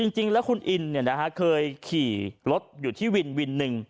จริงแล้วคุณอินเคยขี่รถอยู่ที่วิน๑